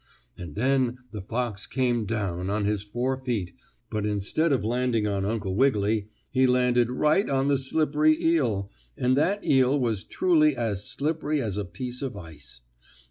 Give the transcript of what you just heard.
And then the fox came down on his four feet, but, instead of landing on Uncle Wiggily he landed right on the slippery eel, and that eel was truly as slippery as a piece of ice.